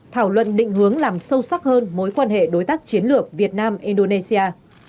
thảo luận định hướng làm sâu sắc hơn mối quan hệ đối tác chiến lược việt nam indonesia